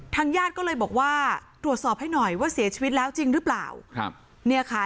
ทางญาติก็เลยบอกว่าตรวจสอบให้หน่อยว่าเสียชีวิตแล้วจริงหรือเปล่า